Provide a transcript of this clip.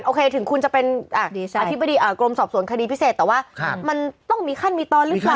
ถึงคุณจะเป็นอธิบดีกรมสอบสวนคดีพิเศษแต่ว่ามันต้องมีขั้นมีตอนหรือเปล่า